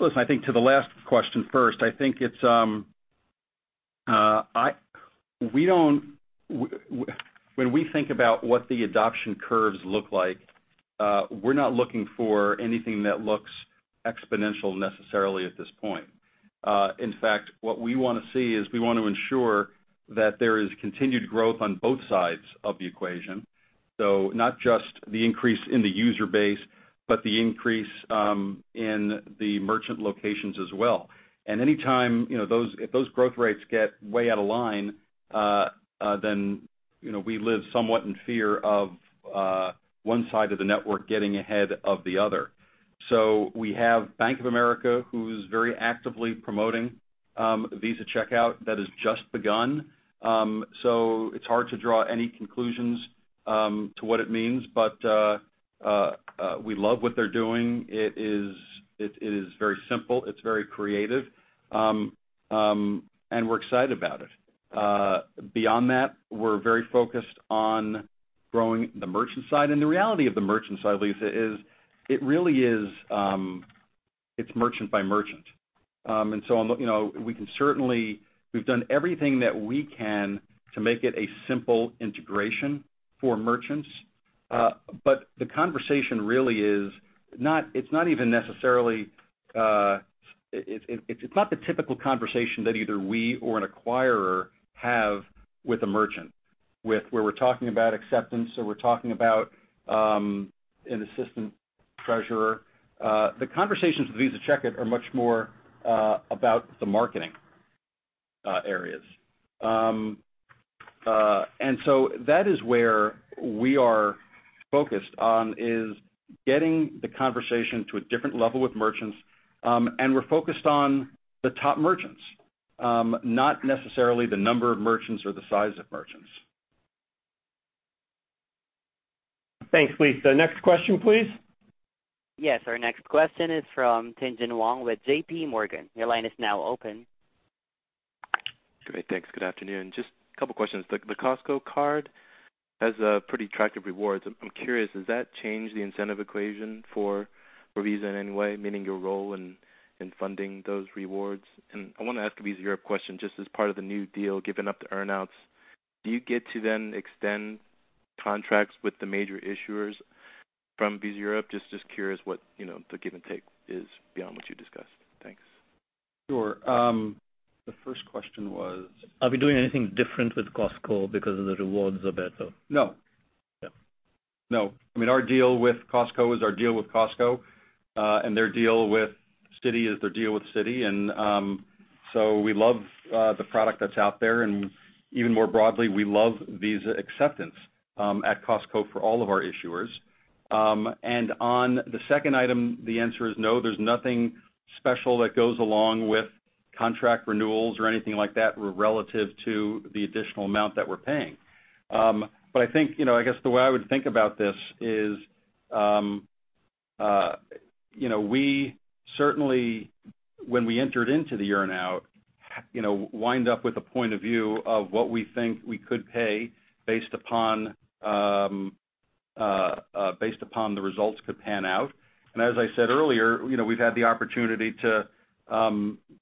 Listen, I think to the last question first, when we think about what the adoption curves look like, we're not looking for anything that looks exponential necessarily at this point. In fact, what we want to see is we want to ensure that there is continued growth on both sides of the equation. Not just the increase in the user base, but the increase in the merchant locations as well. Anytime if those growth rates get way out of line, then We live somewhat in fear of one side of the network getting ahead of the other. We have Bank of America, who's very actively promoting Visa Checkout. That has just begun, so it's hard to draw any conclusions to what it means. We love what they're doing. It is very simple. It's very creative. We're excited about it. Beyond that, we're very focused on growing the merchant side. The reality of the merchant side, Lisa, is it really is merchant by merchant. We've done everything that we can to make it a simple integration for merchants. The conversation really is it's not the typical conversation that either we or an acquirer have with a merchant, where we're talking about acceptance, or we're talking about an assistant treasurer. The conversations with Visa Checkout are much more about the marketing areas. That is where we are focused on, is getting the conversation to a different level with merchants. We're focused on the top merchants, not necessarily the number of merchants or the size of merchants. Thanks, Lisa. Next question please. Our next question is from Tien-tsin Huang with J.P. Morgan. Your line is now open. Great. Thanks. Good afternoon. Just two questions. The Costco card has pretty attractive rewards. I'm curious, does that change the incentive equation for Visa in any way, meaning your role in funding those rewards? I want to ask a Visa Europe question, just as part of the new deal, giving up the earn-outs, do you get to then extend contracts with the major issuers from Visa Europe? Just curious what the give and take is beyond what you discussed. Thanks. Sure. The first question was? Are we doing anything different with Costco because the rewards are better? No. Yeah. No. Our deal with Costco is our deal with Costco, their deal with Citi is their deal with Citi. So we love the product that's out there, even more broadly, we love Visa acceptance at Costco for all of our issuers. On the second item, the answer is no, there's nothing special that goes along with contract renewals or anything like that relative to the additional amount that we're paying. I guess the way I would think about this is we certainly, when we entered into the earn-out, wind up with a point of view of what we think we could pay based upon the results could pan out. As I said earlier we've had the opportunity to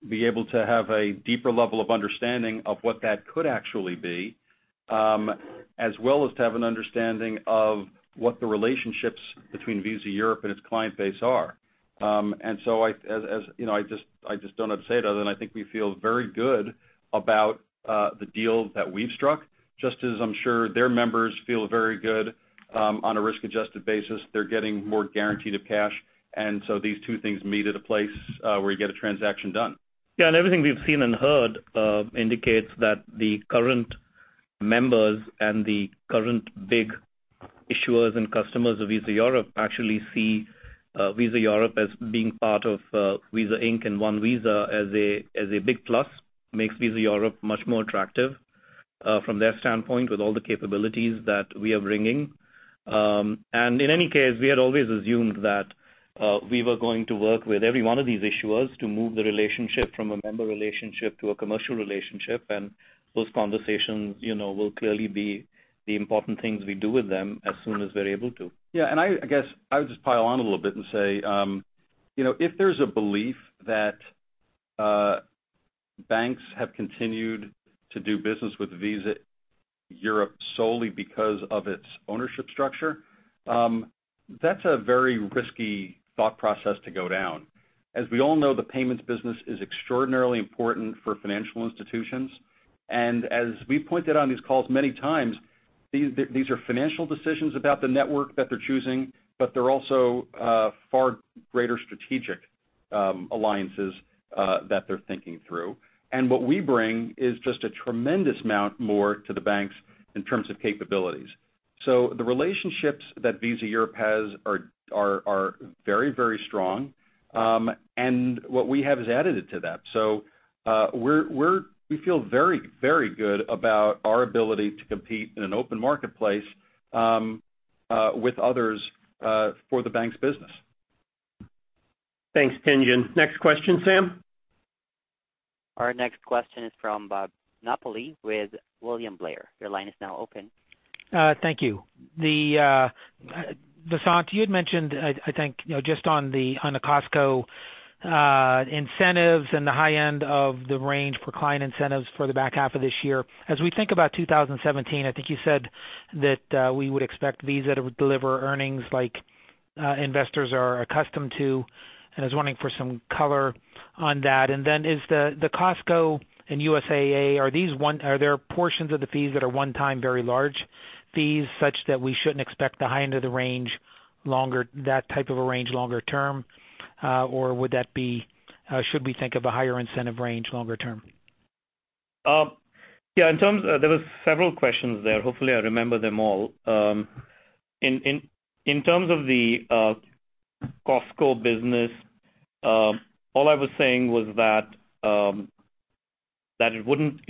be able to have a deeper level of understanding of what that could actually be, as well as to have an understanding of what the relationships between Visa Europe and its client base are. So I just don't know how to say it other than I think we feel very good about the deal that we've struck, just as I'm sure their members feel very good on a risk-adjusted basis. They're getting more guarantee to cash. So these two things meet at a place where you get a transaction done. Yeah, everything we've seen and heard indicates that the current members and the current big issuers and customers of Visa Europe actually see Visa Europe as being part of Visa Inc. and One Visa as a big plus, makes Visa Europe much more attractive from their standpoint with all the capabilities that we are bringing. In any case, we had always assumed that we were going to work with every one of these issuers to move the relationship from a member relationship to a commercial relationship. Those conversations will clearly be the important things we do with them as soon as we're able to. Yeah, I guess I would just pile on a little bit and say, if there's a belief that banks have continued to do business with Visa Europe solely because of its ownership structure, that's a very risky thought process to go down. As we all know, the payments business is extraordinarily important for financial institutions. As we pointed on these calls many times, these are financial decisions about the network that they're choosing, but they're also far greater strategic alliances that they're thinking through. What we bring is just a tremendous amount more to the banks in terms of capabilities. The relationships that Visa Europe has are very strong. What we have has added to that. We feel very good about our ability to compete in an open marketplace with others for the bank's business. Thanks, Tien-tsin. Next question, Sam. Our next question is from Bob Napoli with William Blair. Your line is now open. Thank you. Vasant, you had mentioned, I think, just on the Costco incentives and the high end of the range for client incentives for the back half of this year. As we think about 2017, I think you said that we would expect Visa to deliver earnings like investors are accustomed to, I was wanting for some color on that. Then is the Costco and USAA, are there portions of the fees that are one time very large fees such that we shouldn't expect the high end of the range longer, that type of a range longer term, or should we think of a higher incentive range longer term? Yeah. There were several questions there. Hopefully, I remember them all. In terms of the Costco business, all I was saying was that it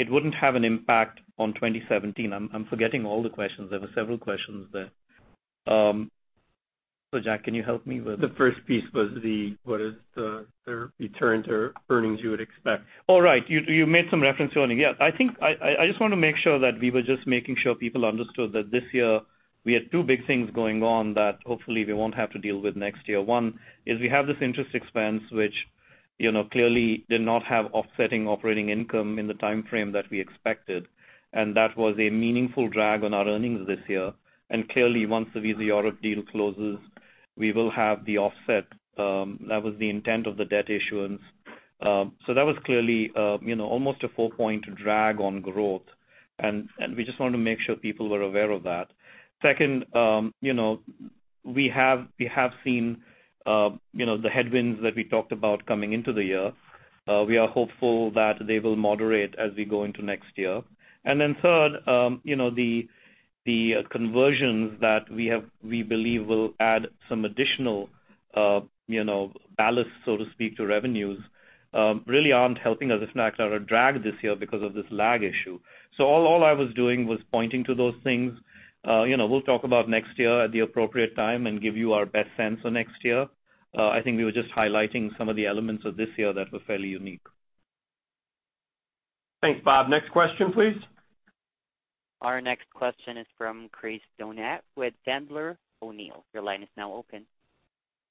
wouldn't have an impact on 2017. I'm forgetting all the questions. There were several questions there. Jack, can you help me with? The first piece was what is the return to earnings you would expect? Oh, right. You made some reference to earnings. I just want to make sure that we were just making sure people understood that this year we had two big things going on that hopefully we won't have to deal with next year. One is we have this interest expense, which clearly did not have offsetting operating income in the timeframe that we expected, and that was a meaningful drag on our earnings this year. Clearly once the Visa Europe deal closes, we will have the offset. That was the intent of the debt issuance. That was clearly almost a four-point drag on growth, and we just want to make sure people were aware of that. Second, we have seen the headwinds that we talked about coming into the year. We are hopeful that they will moderate as we go into next year. Third, the conversions that we believe will add some additional ballast, so to speak, to revenues really aren't helping us. It's actually a drag this year because of this lag issue. All I was doing was pointing to those things. We'll talk about next year at the appropriate time and give you our best sense of next year. I think we were just highlighting some of the elements of this year that were fairly unique. Thanks, Bob. Next question, please. Our next question is from Chris Donat with Sandler O'Neill. Your line is now open.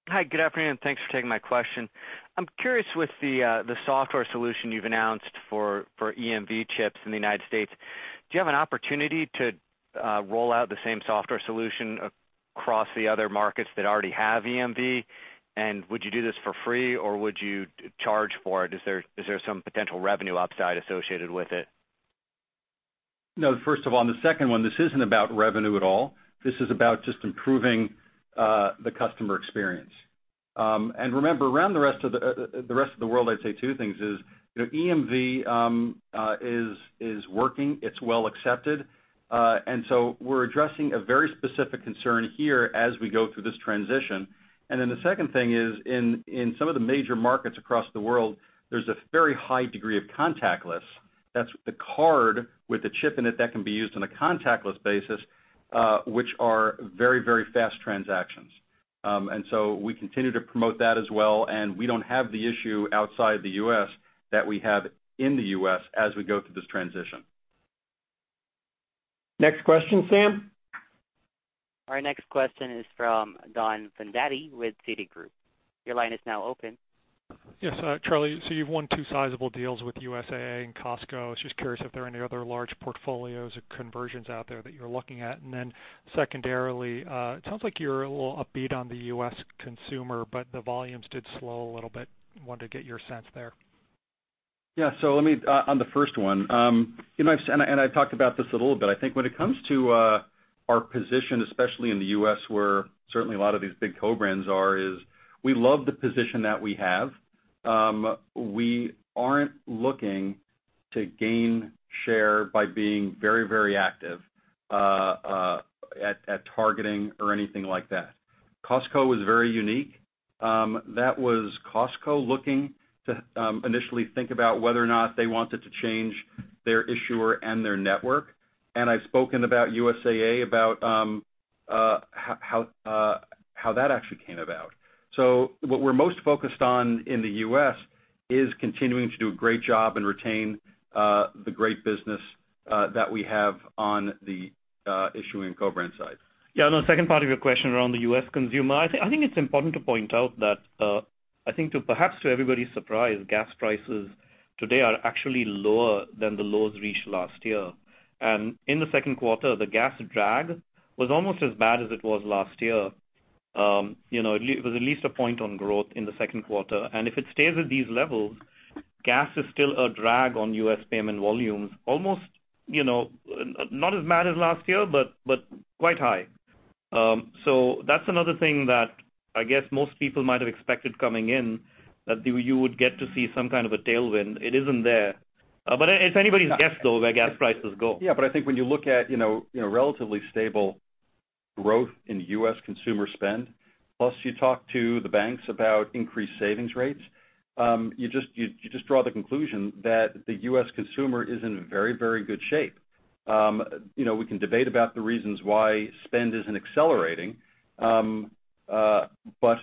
Hi, good afternoon. Thanks for taking my question. I'm curious with the software solution you've announced for EMV chips in the United States, do you have an opportunity to roll out the same software solution across the other markets that already have EMV? Would you do this for free, or would you charge for it? Is there some potential revenue upside associated with it? No, first of all, on the second one, this isn't about revenue at all. This is about just improving the customer experience. Remember, around the rest of the world, I'd say two things is, EMV is working, it's well accepted. We're addressing a very specific concern here as we go through this transition. The second thing is in some of the major markets across the world, there's a very high degree of contactless. That's the card with a chip in it that can be used on a contactless basis, which are very, very fast transactions. We continue to promote that as well, and we don't have the issue outside the U.S. that we have in the U.S. as we go through this transition. Next question, Sam. Our next question is from Donald Fandetti with Citigroup. Your line is now open. Yes. Charlie, you've won two sizable deals with USAA and Costco. I was just curious if there are any other large portfolios or conversions out there that you're looking at. Secondarily, it sounds like you're a little upbeat on the U.S. consumer, but the volumes did slow a little bit. Wanted to get your sense there. On the first one, I talked about this a little bit. I think when it comes to our position, especially in the U.S., where certainly a lot of these big co-brands are, is we love the position that we have. We aren't looking to gain share by being very, very active at targeting or anything like that. Costco was very unique. That was Costco looking to initially think about whether or not they wanted to change their issuer and their network. I've spoken about USAA, about how that actually came about. What we're most focused on in the U.S. is continuing to do a great job and retain the great business that we have on the issuing co-brand side. On the second part of your question around the U.S. consumer, I think it's important to point out that, I think perhaps to everybody's surprise, gas prices today are actually lower than the lows reached last year. In the second quarter, the gas drag was almost as bad as it was last year. It was at least a point on growth in the second quarter. If it stays at these levels, gas is still a drag on U.S. payment volumes, almost not as bad as last year, but quite high. That's another thing that I guess most people might have expected coming in, that you would get to see some kind of a tailwind. It isn't there. It's anybody's guess, though, where gas prices go. I think when you look at relatively stable growth in U.S. consumer spend, plus you talk to the banks about increased savings rates, you just draw the conclusion that the U.S. consumer is in very, very good shape. We can debate about the reasons why spend isn't accelerating, but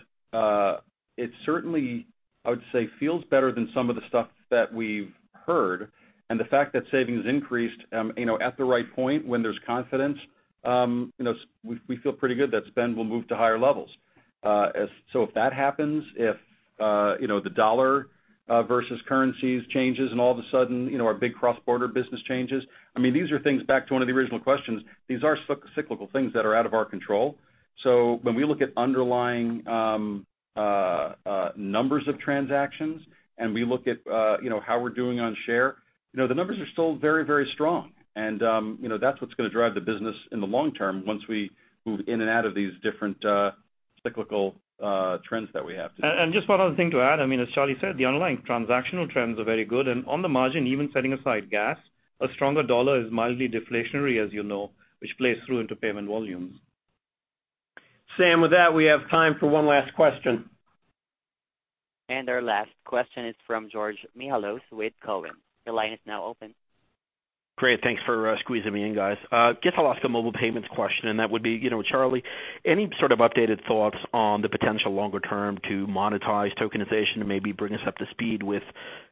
it certainly, I would say, feels better than some of the stuff that we've heard. The fact that savings increased at the right point when there's confidence, we feel pretty good that spend will move to higher levels. If that happens, if the dollar versus currencies changes and all of a sudden our big cross-border business changes, these are things, back to one of the original questions, these are cyclical things that are out of our control. When we look at underlying numbers of transactions and we look at how we're doing on share, the numbers are still very, very strong. That's what's going to drive the business in the long term once we move in and out of these different cyclical trends that we have today. Just one other thing to add, as Charlie said, the underlying transactional trends are very good. On the margin, even setting aside gas, a stronger dollar is mildly deflationary as you know, which plays through into payment volumes. Sam, with that, we have time for one last question. Our last question is from George Mihalos with Cowen. Your line is now open. Great. Thanks for squeezing me in, guys. Guess I'll ask a mobile payments question, that would be, Charlie, any sort of updated thoughts on the potential longer term to monetize tokenization and maybe bring us up to speed with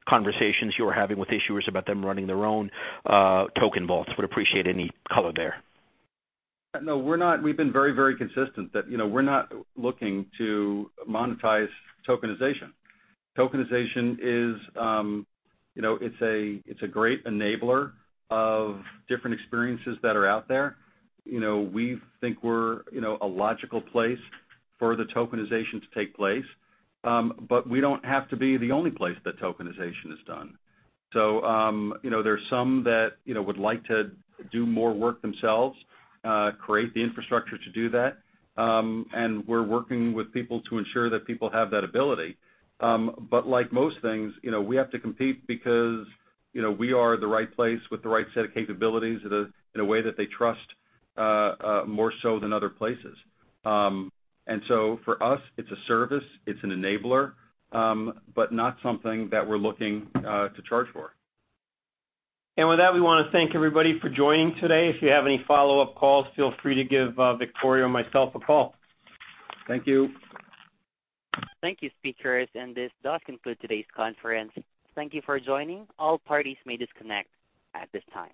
conversations you're having with issuers about them running their own token vaults? Would appreciate any color there. No, we've been very consistent that we're not looking to monetize tokenization. Tokenization is a great enabler of different experiences that are out there. We think we're a logical place for the tokenization to take place. We don't have to be the only place that tokenization is done. There's some that would like to do more work themselves, create the infrastructure to do that, and we're working with people to ensure that people have that ability. Like most things, we have to compete because we are the right place with the right set of capabilities in a way that they trust more so than other places. For us, it's a service, it's an enabler, but not something that we're looking to charge for. With that, we want to thank everybody for joining today. If you have any follow-up calls, feel free to give Victoria or myself a call. Thank you. Thank you, speakers. This does conclude today's conference. Thank you for joining. All parties may disconnect at this time.